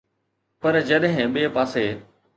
پر جڏهن ٻئي پاسي